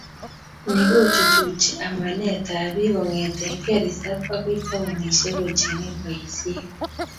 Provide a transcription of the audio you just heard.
Ni kochuchuchi amanetab bik kongetkei risap agoi taonisiek kochengei boisiet